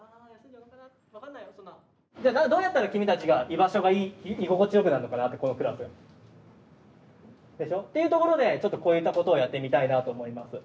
じゃあどうやったら君たちが居場所が居心地よくなるのかなってこのクラス。でしょ？っていうところでちょっとこういったことをやってみたいなと思います。